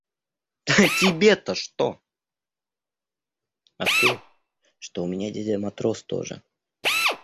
– А тебе-то что? – А то, что у меня дядя матрос тоже.